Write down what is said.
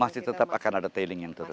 masih tetap akan ada tailing yang terus